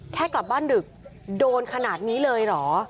แค่กลับบ้านดึกโดนขนาดนี้เลยเหรอ